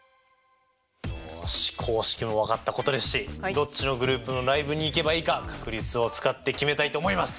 よし公式も分かったことですしどっちのグループのライブに行けばいいか確率を使って決めたいと思います。